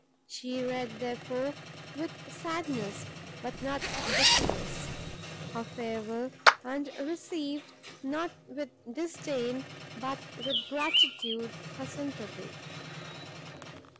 She read, therefore, with sadness, but not bitterness, her farewell, and received not with disdain, but with gratitude, her sympathy.